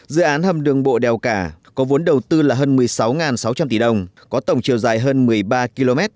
dự án hầm đường bộ đèo cả có vốn đầu tư là hơn một mươi sáu sáu trăm linh tỷ đồng có tổng chiều dài hơn một mươi ba km